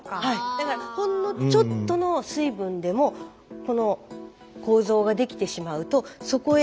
だからほんのちょっとの水分でもこの構造ができてしまうとそこへ。